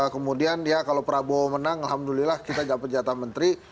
kemudian ya kalau prabowo menang alhamdulillah kita dapat jatah menteri